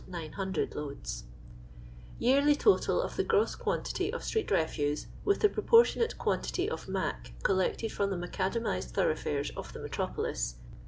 42,900 Yearly Total of the Gross Quaittitt of Strrbt Refitse, with the Proportionate Quantity of " Mac " collected prom the macadamized tnorocg ii fares of the me tropolis.